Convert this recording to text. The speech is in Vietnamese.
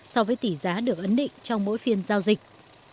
so với tỷ giá được ấn định trong mỗi phiên giao dịch